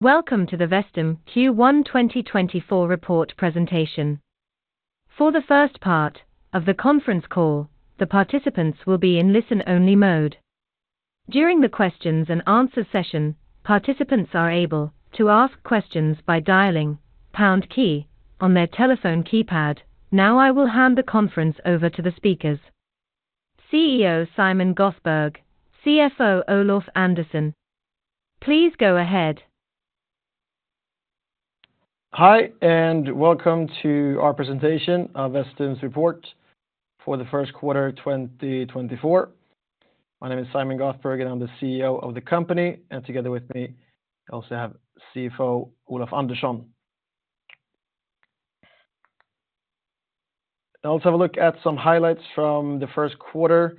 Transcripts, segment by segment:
Welcome to the Vestum Q1 2024 report presentation. For the first part of the conference call, the participants will be in listen-only mode. During the question-and-answer session, participants are able to ask questions by dialing pound key on their telephone keypad. Now I will hand the conference over to the speakers. CEO Simon Göthberg, CFO Olof Andersson. Please go ahead. Hi and welcome to our presentation of Vestum's report for the first Quarter 2024. My name is Simon Göthberg and I'm the CEO of the company, and together with me I also have CFO Olof Andersson. I'll also have a look at some highlights from the first Quarter.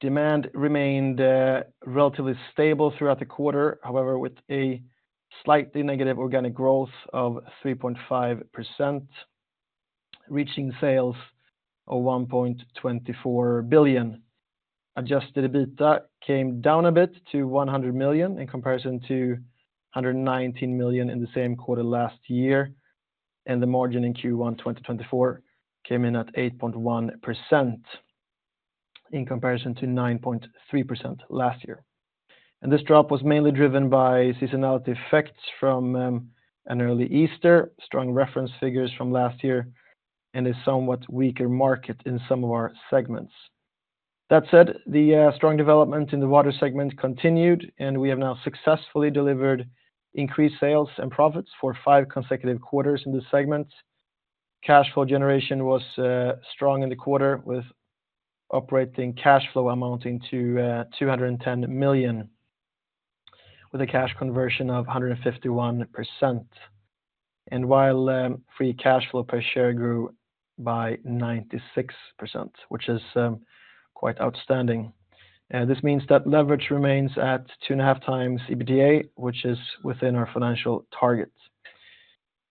Demand remained relatively stable throughout the Quarter, however with a slightly negative organic growth of 3.5%, reaching sales of 1.24 billion. Adjusted EBITA came down a bit to 100 million in comparison to 119 million in the same Quarter last year, and the margin in Q1 2024 came in at 8.1% in comparison to 9.3% last year. This drop was mainly driven by seasonality effects from an early Easter, strong reference figures from last year, and a somewhat weaker market in some of our segments. That said, the strong development in the water segment continued, and we have now successfully delivered increased sales and profits for five consecutive Quarters in this segment. Cash flow generation was strong in the Quarter, with operating cash flow amounting to 210 million, with a cash conversion of 151%, and while free cash flow per share grew by 96%, which is quite outstanding. This means that leverage remains at 2.5x EBITA, which is within our financial target.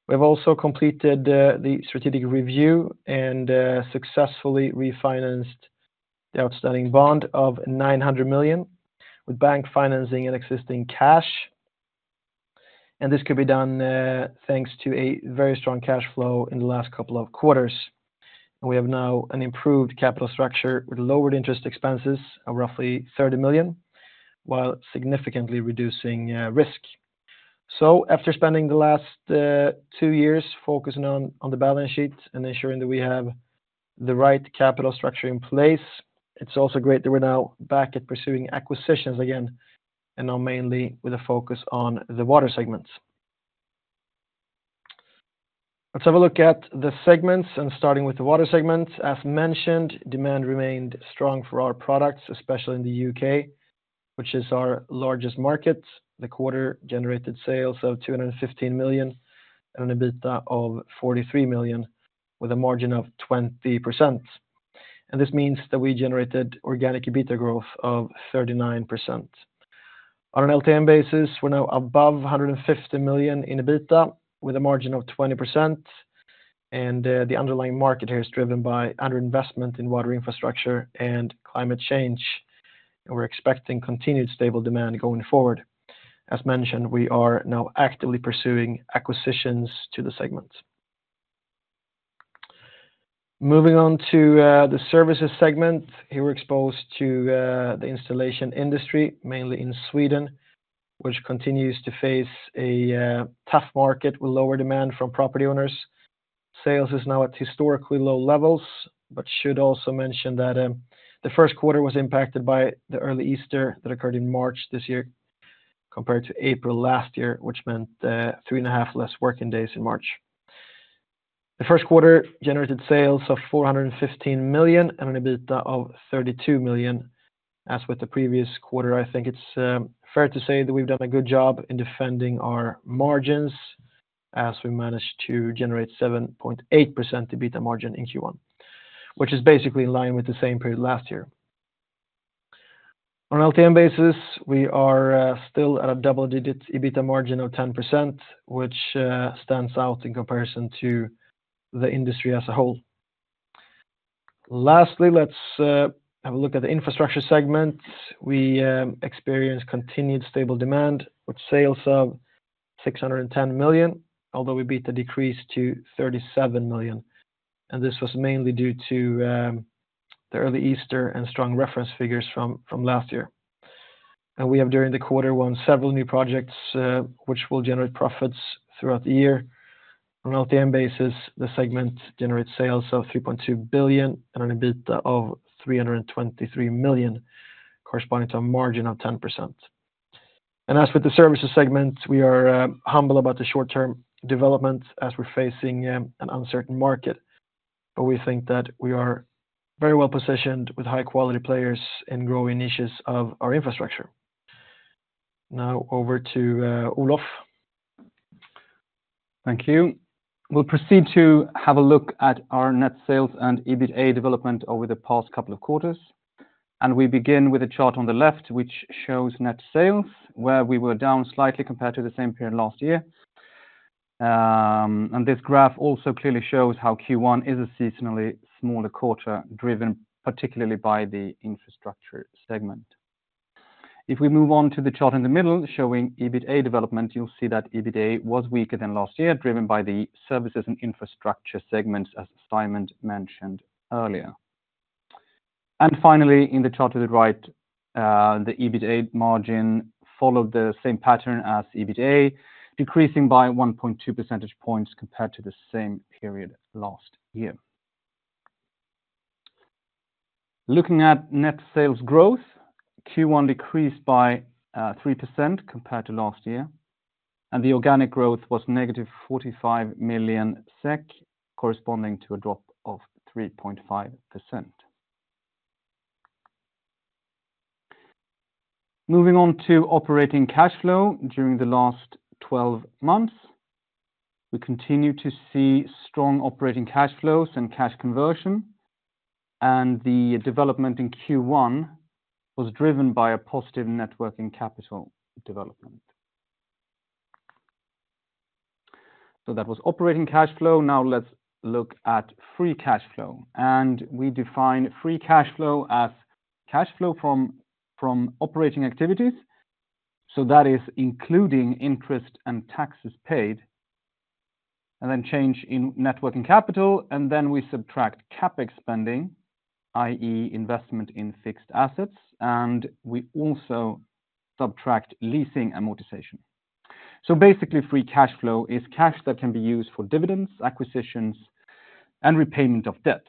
We have also completed the strategic review and successfully refinanced the outstanding bond of 900 million, with bank financing and existing cash. This could be done thanks to a very strong cash flow in the last couple of Quarters. We have now an improved capital structure with lowered interest expenses of roughly 30 million, while significantly reducing risk. After spending the last 2 years focusing on the balance sheet and ensuring that we have the right capital structure in place, it's also great that we're now back at pursuing acquisitions again, and now mainly with a focus on the water segment. Let's have a look at the segments, and starting with the water segment. As mentioned, demand remained strong for our products, especially in the UK, which is our largest market. The Quarter generated sales of 215 million and an EBITA of 43 million, with a margin of 20%. This means that we generated organic EBITA growth of 39%. On an LTM basis, we're now above 150 million in EBITA, with a margin of 20%, and the underlying market here is driven by underinvestment in water infrastructure and climate change. We're expecting continued stable demand going forward. As mentioned, we are now actively pursuing acquisitions to the segment. Moving on to the services segment, here we're exposed to the installation industry, mainly in Sweden, which continues to face a tough market with lower demand from property owners. Sales are now at historically low levels, but should also mention that the first Quarter was impacted by the early Easter that occurred in March this year compared to April last year, which meant 3.5 less working days in March. The first Quarter generated sales of 415 million and an EBITA of 32 million. As with the previous Quarter, I think it's fair to say that we've done a good job in defending our margins, as we managed to generate 7.8% EBITA margin in Q1, which is basically in line with the same period last year. On an LTM basis, we are still at a double-digit EBITA margin of 10%, which stands out in comparison to the industry as a whole. Lastly, let's have a look at the infrastructure segment. We experienced continued stable demand with sales of 610 million, although EBITA decreased to 37 million. This was mainly due to the early Easter and strong reference figures from last year. We have, during the Quarter, won several new projects, which will generate profits throughout the year. On an LTM basis, the segment generates sales of 3.2 billion and an EBITA of 323 million, corresponding to a margin of 10%. As with the services segment, we are humble about the short-term development as we're facing an uncertain market, but we think that we are very well positioned with high-quality players in growing niches of our infrastructure. Now over to Olof. Thank you. We'll proceed to have a look at our net sales and EBITA development over the past couple of Quarters. We begin with a chart on the left, which shows net sales, where we were down slightly compared to the same period last year. This graph also clearly shows how Q1 is a seasonally smaller Quarter, driven particularly by the infrastructure segment. If we move on to the chart in the middle showing EBITA development, you'll see that EBITA was weaker than last year, driven by the services and infrastructure segments, as Simon mentioned earlier. Finally, in the chart to the right, the EBITA margin followed the same pattern as EBITA, decreasing by 1.2 percentage points compared to the same period last year. Looking at net sales growth, Q1 decreased by 3% compared to last year, and the organic growth was negative 45 million SEK, corresponding to a drop of 3.5%. Moving on to operating cash flow during the last 12 months, we continue to see strong operating cash flows and cash conversion. The development in Q1 was driven by a positive net working capital development. That was operating cash flow. Now let's look at free cash flow. We define free cash flow as cash flow from operating activities. That is including interest and taxes paid, and then change in net working capital. Then we subtract CAPEX spending, i.e., investment in fixed assets. We also subtract leasing amortization. Basically, free cash flow is cash that can be used for dividends, acquisitions, and repayment of debts.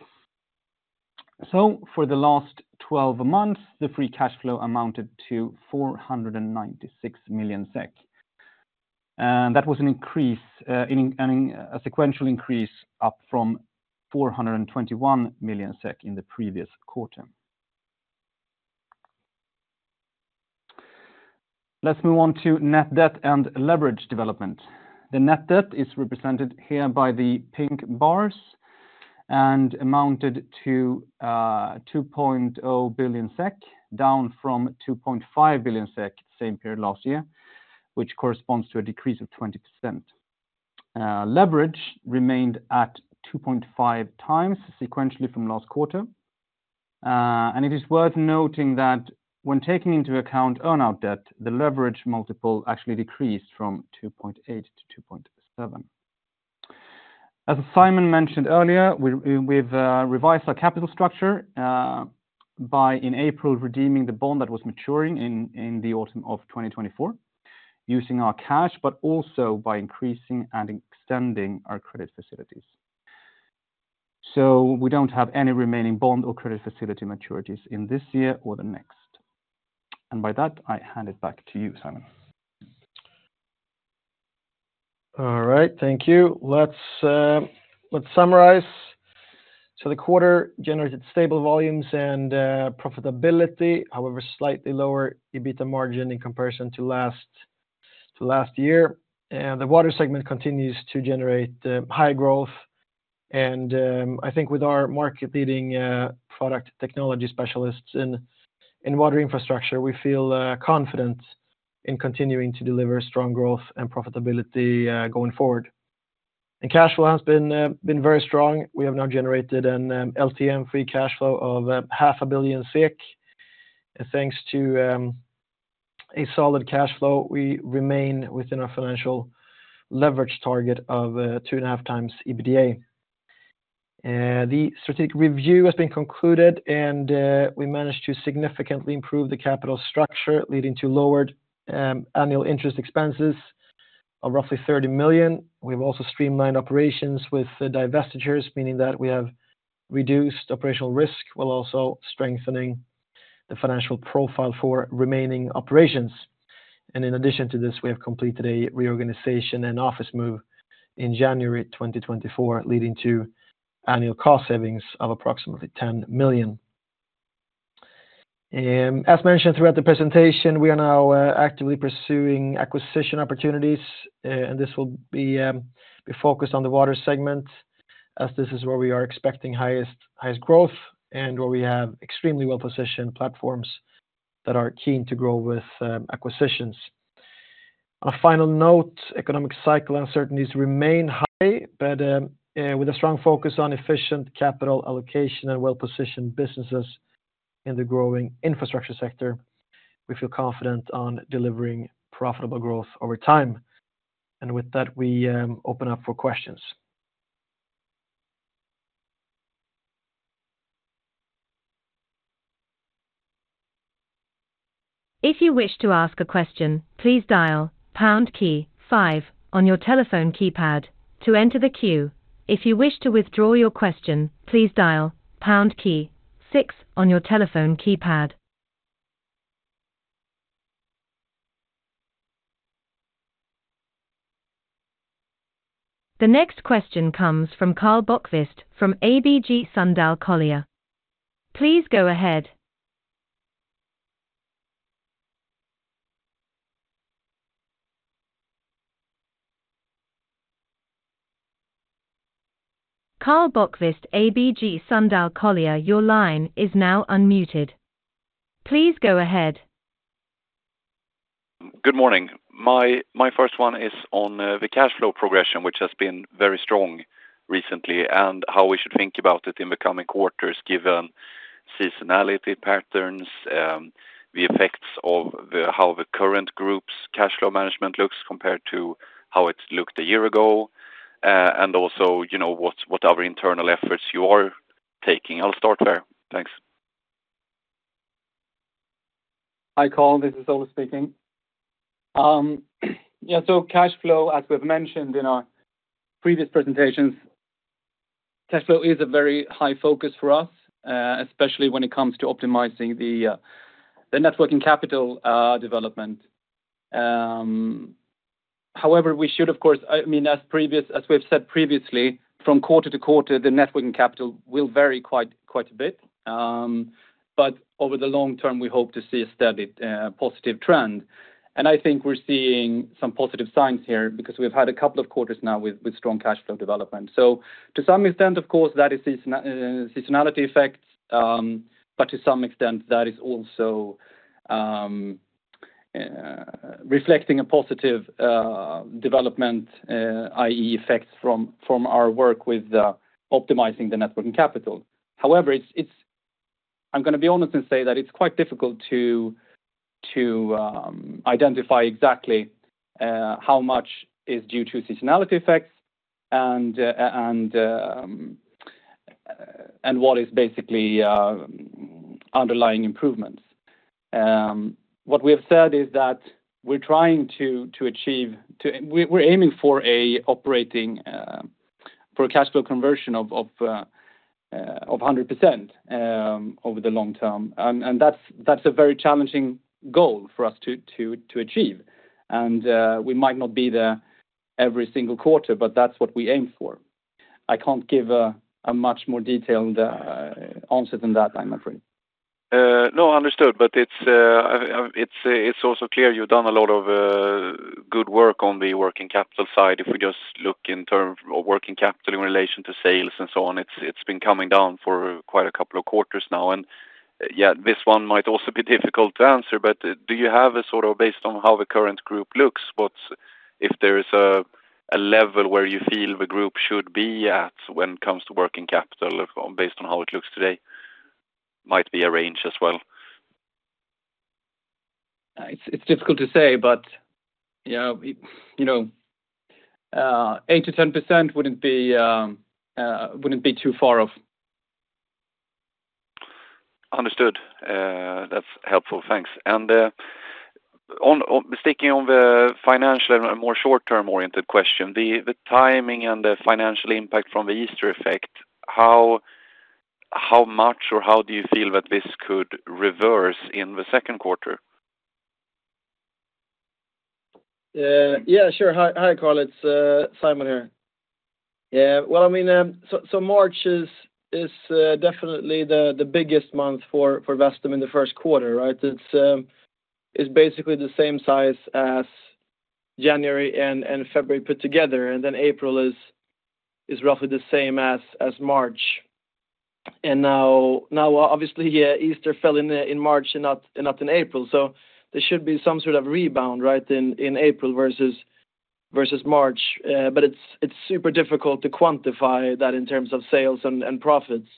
For the last 12 months, the free cash flow amounted to 496 million SEK. That was a sequential increase up from 421 million SEK in the previous Quarter. Let's move on to net debt and leverage development. The net debt is represented here by the pink bars and amounted to 2.0 billion SEK, down from 2.5 billion SEK the same period last year, which corresponds to a decrease of 20%. Leverage remained at 2.5 times sequentially from last Quarter. It is worth noting that when taking into account earnout debt, the leverage multiple actually decreased from 2.8 to 2.7. As Simon mentioned earlier, we've revised our capital structure by, in April, redeeming the bond that was maturing in the autumn of 2024 using our cash, but also by increasing and extending our credit facilities. We don't have any remaining bond or credit facility maturities in this year or the next. By that, I hand it back to you, Simon. All right. Thank you. Let's summarize. So the Quarter generated stable volumes and profitability, however slightly lower EBITA margin in comparison to last year. And the water segment continues to generate high growth. And I think with our market-leading product technology specialists in water infrastructure, we feel confident in continuing to deliver strong growth and profitability going forward. And cash flow has been very strong. We have now generated an LTM free cash flow of 500 million. And thanks to a solid cash flow, we remain within our financial leverage target of 2.5x EBITA. The strategic review has been concluded, and we managed to significantly improve the capital structure, leading to lowered annual interest expenses of roughly 30 million. We've also streamlined operations with divestitures, meaning that we have reduced operational risk while also strengthening the financial profile for remaining operations. In addition to this, we have completed a reorganization and office move in January 2024, leading to annual cost savings of approximately 10 million. As mentioned throughout the presentation, we are now actively pursuing acquisition opportunities. This will be focused on the water segment, as this is where we are expecting highest growth and where we have extremely well-positioned platforms that are keen to grow with acquisitions. On a final note, economic cycle uncertainties remain high, but with a strong focus on efficient capital allocation and well-positioned businesses in the growing infrastructure sector, we feel confident on delivering profitable growth over time. And with that, we open up for questions. If you wish to ask a question, please dial pound key 5 on your telephone keypad to enter the queue. If you wish to withdraw your question, please dial pound key 6 on your telephone keypad. The next question comes from Karl Bokvist from ABG Sundal Collier. Please go ahead. Karl Bokvist ABG Sundal Collier, your line is now unmuted. Please go ahead. Good morning. My first one is on the cash flow progression, which has been very strong recently, and how we should think about it in the coming Quarters given seasonality patterns, the effects of how the current group's cash flow management looks compared to how it looked a year ago, and also what other internal efforts you are taking. I'll start there. Thanks. Hi Karl. This is Olof speaking. Yeah, so cash flow, as we've mentioned in our previous presentations, cash flow is a very high focus for us, especially when it comes to optimizing the net working capital development. However, we should, of course I mean, as we've said previously, from Quarter to Quarter, the net working capital will vary quite a bit. But over the long term, we hope to see a steady positive trend. And I think we're seeing some positive signs here because we've had a couple of Quarters now with strong cash flow development. So to some extent, of course, that is seasonality effects. But to some extent, that is also reflecting a positive development, i.e., effects from our work with optimizing the net working capital. However, I'm going to be honest and say that it's quite difficult to identify exactly how much is due to seasonality effects and what is basically underlying improvements. What we have said is that we're trying to achieve. We're aiming for a cash flow conversion of 100% over the long term. That's a very challenging goal for us to achieve. We might not be there every single Quarter, but that's what we aim for. I can't give a much more detailed answer than that, I'm afraid. No, understood. But it's also clear you've done a lot of good work on the working capital side. If we just look in terms of working capital in relation to sales and so on, it's been coming down for quite a couple of Quarters now. And yeah, this one might also be difficult to answer. But do you have a sort of based on how the current group looks, if there is a level where you feel the group should be at when it comes to working capital based on how it looks today? Might be a range as well. It's difficult to say, but yeah, 8%-10% wouldn't be too far off. Understood. That's helpful. Thanks. Sticking on the financial and more short-term oriented question, the timing and the financial impact from the Easter effect, how much or how do you feel that this could reverse in the second Quarter? Yeah, sure. Hi Karl. It's Simon here. Well, I mean, so March is definitely the biggest month for Vestum in the first Quarter, right? It's basically the same size as January and February put together. And then April is roughly the same as March. And now, obviously, Easter fell in March and not in April. So there should be some sort of rebound, right, in April versus March. But it's super difficult to quantify that in terms of sales and profits.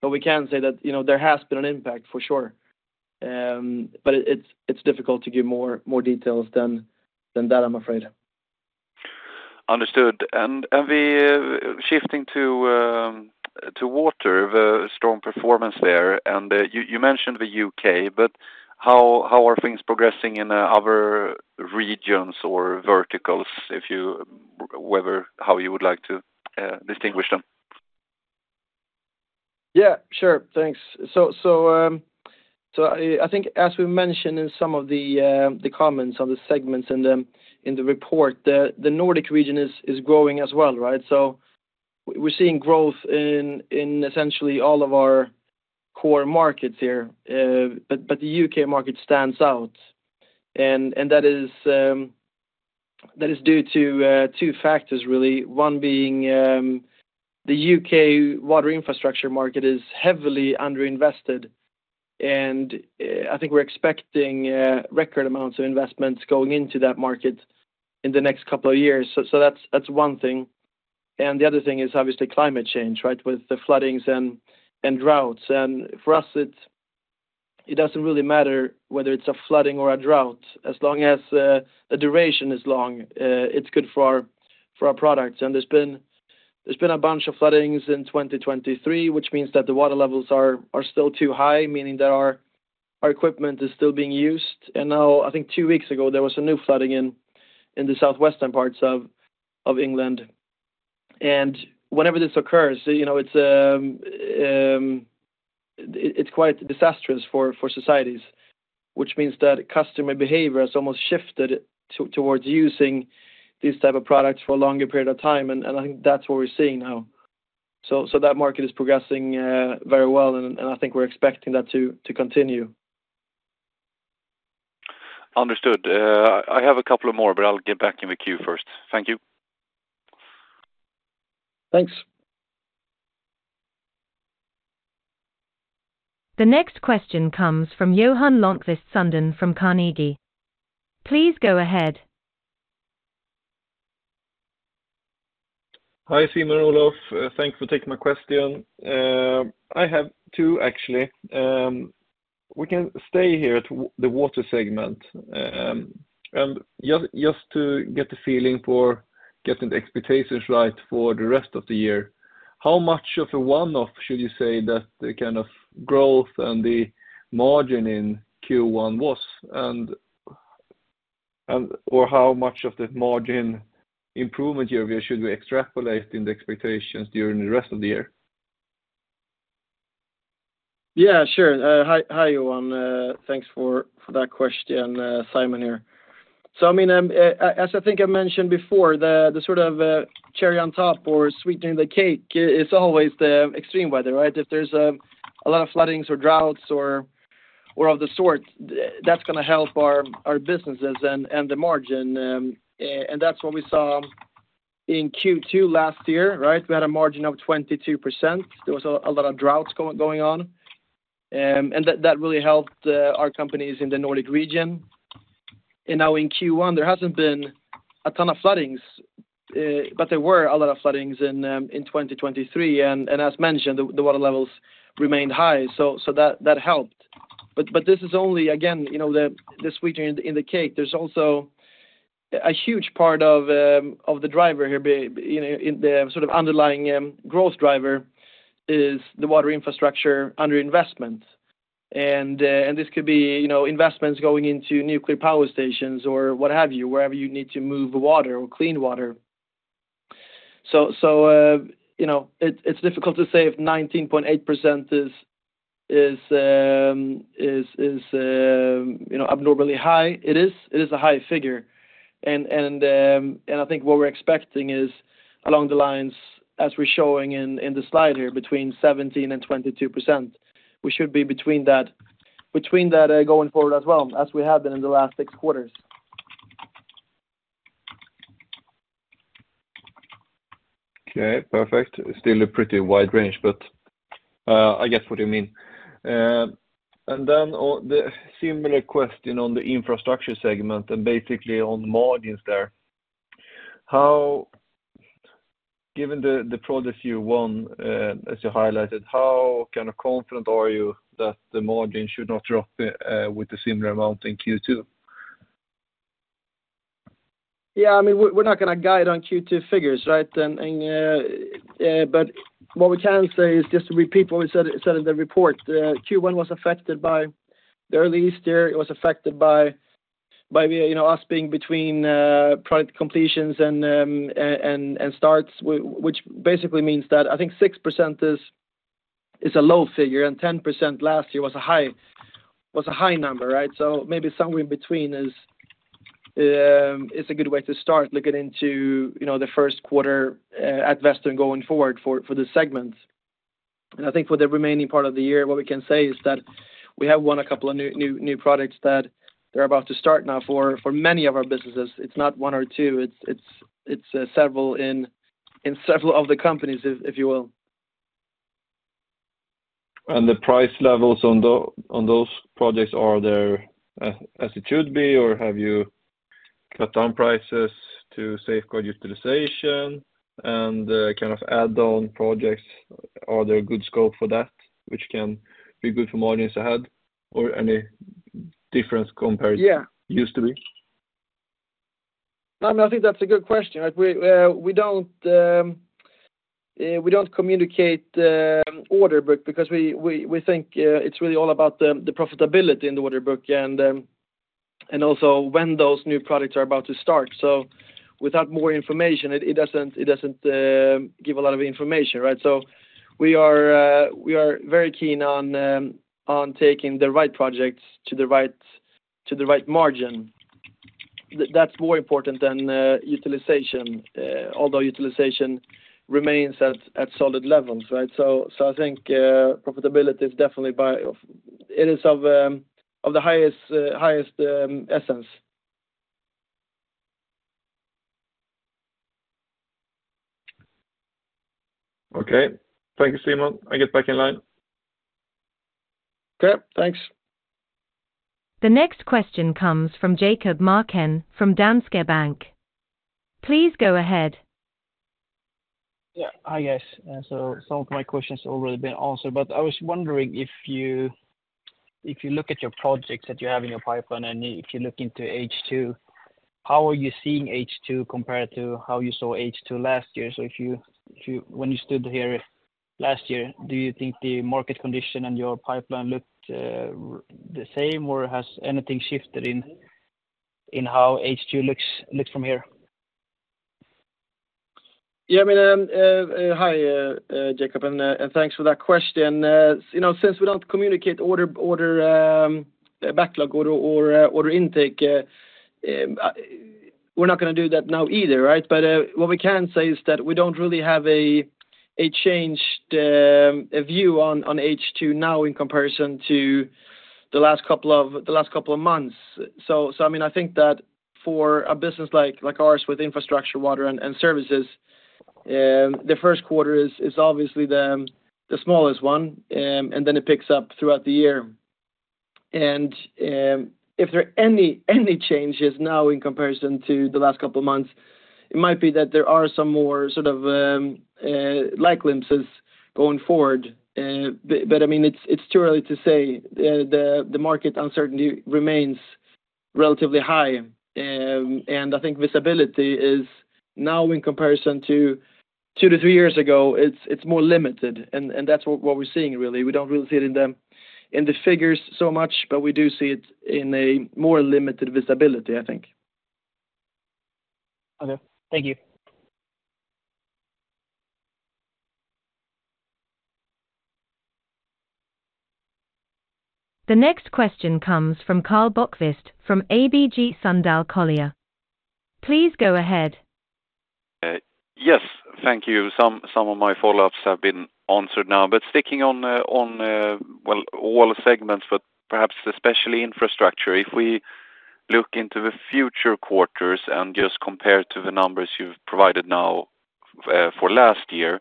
But we can say that there has been an impact for sure. But it's difficult to give more details than that, I'm afraid. Understood. Shifting to water, the strong performance there. You mentioned the UK, but how are things progressing in other regions or verticals, however you would like to distinguish them? Yeah, sure. Thanks. So I think, as we mentioned in some of the comments on the segments in the report, the Nordic region is growing as well, right? So we're seeing growth in essentially all of our core markets here. But the UK market stands out. And that is due to two factors, really. One being the UK water infrastructure market is heavily underinvested. And I think we're expecting record amounts of investments going into that market in the next couple of years. So that's one thing. And the other thing is, obviously, climate change, right, with the floodings and droughts. And for us, it doesn't really matter whether it's a flooding or a drought. As long as the duration is long, it's good for our products. There's been a bunch of floodings in 2023, which means that the water levels are still too high, meaning that our equipment is still being used. Now, I think two weeks ago, there was a new flooding in the southwestern parts of England. Whenever this occurs, it's quite disastrous for societies, which means that customer behavior has almost shifted towards using these type of products for a longer period of time. I think that's what we're seeing now. That market is progressing very well. I think we're expecting that to continue. Understood. I have a couple of more, but I'll get back in the queue first. Thank you. Thanks. The next question comes from Johan Lönnqvist from Carnegie. Please go ahead. Hi Simon, Olof. Thanks for taking my question. I have two, actually. We can stay here at the water segment. And just to get the feeling for getting the expectations right for the rest of the year, how much of a one-off should you say that the kind of growth and the margin in Q1 was? And/or how much of the margin improvement year should we extrapolate in the expectations during the rest of the year? Yeah, sure. Hi Johan. Thanks for that question. Simon here. So I mean, as I think I mentioned before, the sort of cherry on top or sweetening the cake is always the extreme weather, right? If there's a lot of floodings or droughts or of the sort, that's going to help our businesses and the margin. And that's what we saw in Q2 last year, right? We had a margin of 22%. There was a lot of droughts going on. And that really helped our companies in the Nordic region. And now in Q1, there hasn't been a ton of floodings, but there were a lot of floodings in 2023. And as mentioned, the water levels remained high. So that helped. But this is only, again, the sweetening in the cake. There's also a huge part of the driver here, the sort of underlying growth driver, is the water infrastructure underinvestment. This could be investments going into nuclear power stations or what have you, wherever you need to move water or clean water. So it's difficult to say if 19.8% is abnormally high. It is a high figure. And I think what we're expecting is, along the lines, as we're showing in the slide here, between 17% and 22%. We should be between that going forward as well, as we have been in the last six Quarters. Okay. Perfect. Still a pretty wide range, but I get what you mean. And then the similar question on the infrastructure segment and basically on margins there. Given the projects you won, as you highlighted, how kind of confident are you that the margin should not drop with a similar amount in Q2? Yeah. I mean, we're not going to guide on Q2 figures, right? But what we can say is, just to repeat what we said in the report, Q1 was affected by the early Easter. It was affected by us being between project completions and starts, which basically means that I think 6% is a low figure and 10% last year was a high number, right? So maybe somewhere in between is a good way to start looking into the first Quarter at Vestum going forward for this segment. And I think for the remaining part of the year, what we can say is that we have won a couple of new projects that they're about to start now for many of our businesses. It's not one or two. It's several in several of the companies, if you will. The price levels on those projects, are there as it should be, or have you cut down prices to safeguard utilization? And kind of add-on projects, are there good scope for that, which can be good for margins ahead or any difference compared to used to be? I mean, I think that's a good question, right? We don't communicate the order book because we think it's really all about the profitability in the order book and also when those new projects are about to start. So without more information, it doesn't give a lot of information, right? So we are very keen on taking the right projects to the right margin. That's more important than utilization, although utilization remains at solid levels, right? So I think profitability is definitely but it is of the highest essence. Okay. Thank you, Simon. I'll get back in line. Okay. Thanks. The next question comes from Jacob Markén from Danske Bank. Please go ahead. Yeah. Hi guys. Some of my questions have already been answered, but I was wondering if you look at your projects that you have in your pipeline and if you look into H2, how are you seeing H2 compared to how you saw H2 last year? When you stood here last year, do you think the market condition and your pipeline looked the same, or has anything shifted in how H2 looks from here? Yeah. I mean, hi Jacob, and thanks for that question. Since we don't communicate order backlog or order intake, we're not going to do that now either, right? But what we can say is that we don't really have a changed view on H2 now in comparison to the last couple of months. So I mean, I think that for a business like ours with infrastructure, water, and services, the first Quarter is obviously the smallest one, and then it picks up throughout the year. And if there are any changes now in comparison to the last couple of months, it might be that there are some more sort of light glimpses going forward. But I mean, it's too early to say. The market uncertainty remains relatively high. And I think visibility is now in comparison to two to three years ago, it's more limited. That's what we're seeing, really. We don't really see it in the figures so much, but we do see it in a more limited visibility, I think. Okay. Thank you. The next question comes from Karl Bokvist from ABG Sundal Collier. Please go ahead. Yes. Thank you. Some of my follow-ups have been answered now. But sticking on, well, all segments, but perhaps especially infrastructure, if we look into the future Quarters and just compare to the numbers you've provided now for last year,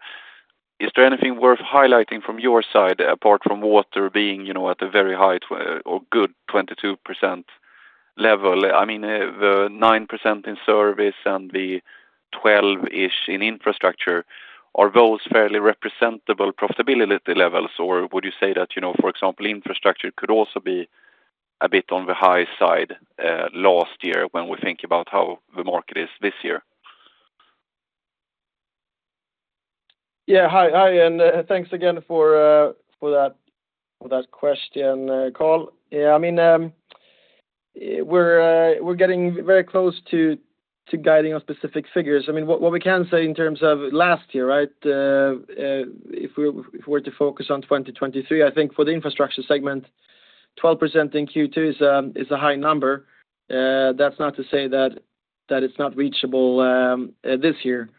is there anything worth highlighting from your side apart from water being at a very high or good 22% level? I mean, the 9% in service and the 12-ish% in infrastructure, are those fairly representative profitability levels, or would you say that, for example, infrastructure could also be a bit on the high side last year when we think about how the market is this year? Yeah. Hi. And thanks again for that question, Karl. I mean, we're getting very close to guiding on specific figures. I mean, what we can say in terms of last year, right, if we were to focus on 2023, I think for the infrastructure segment, 12% in Q2 is a high number. That's not to say that it's not reachable this year.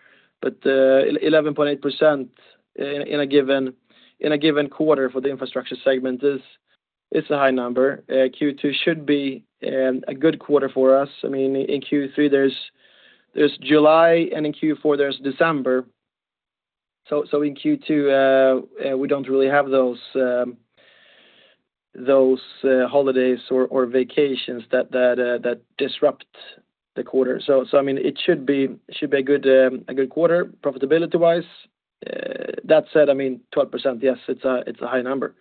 But 11.8% in a given Quarter for the infrastructure segment is a high number. Q2 should be a good Quarter for us. I mean, in Q3, there's July, and in Q4, there's December. So in Q2, we don't really have those holidays or vacations that disrupt the Quarter. So I mean, it should be a good Quarter profitability-wise. That said, I mean, 12%, yes, it's a high number.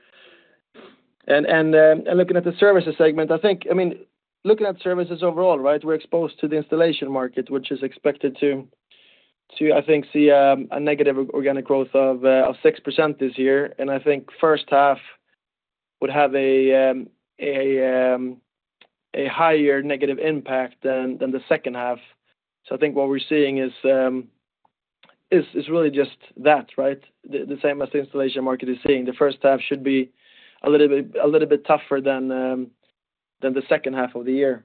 Looking at the services segment, I think, I mean, looking at services overall, right, we're exposed to the installation market, which is expected to, I think, see a negative organic growth of 6% this year. I think first half would have a higher negative impact than the second half. I think what we're seeing is really just that, right, the same as the installation market is seeing. The first half should be a little bit tougher than the second half of the year.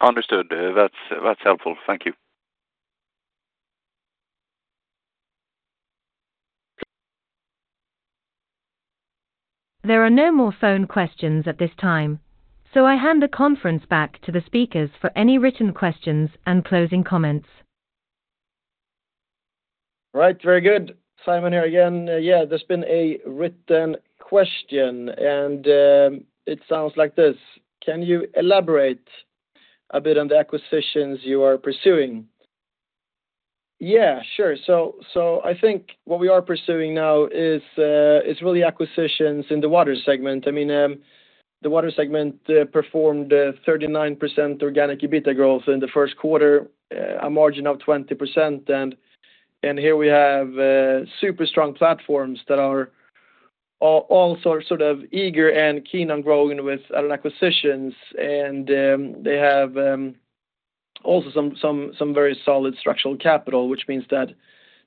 Understood. That's helpful. Thank you. There are no more phone questions at this time, so I hand the conference back to the speakers for any written questions and closing comments. All right. Very good. Simon here again. Yeah. There's been a written question, and it sounds like this. Can you elaborate a bit on the acquisitions you are pursuing? Yeah. Sure. So I think what we are pursuing now is really acquisitions in the water segment. I mean, the water segment performed 39% organic EBITA growth in the first Quarter, a margin of 20%. And here we have super strong platforms that are all sort of eager and keen on growing with added acquisitions. And they have also some very solid structural capital, which means that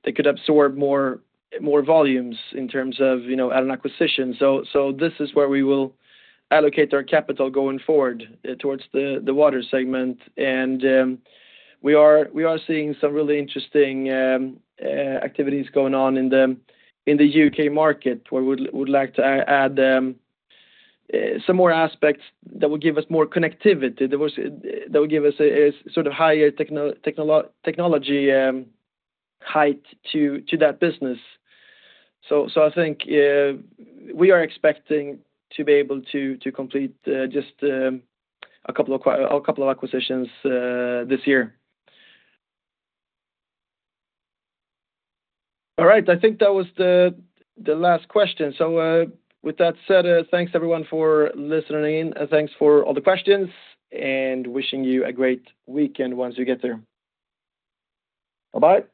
they could absorb more volumes in terms of added acquisitions. So this is where we will allocate our capital going forward towards the water segment. We are seeing some really interesting activities going on in the UK market where we would like to add some more aspects that will give us more connectivity that will give us a sort of higher technology height to that business. I think we are expecting to be able to complete just a couple of acquisitions this year. All right. I think that was the last question. With that said, thanks everyone for listening, and thanks for all the questions, and wishing you a great weekend once you get there. Bye-bye.